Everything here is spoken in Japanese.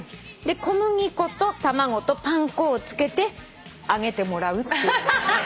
小麦粉と卵とパン粉をつけて揚げてもらう。